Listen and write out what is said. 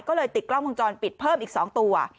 ก็เลยติดกล้องวงจรปิดเพิ่มอีก๒ตัว